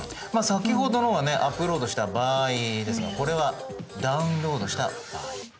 先ほどのはねアップロードした場合ですがこれはダウンロードした場合。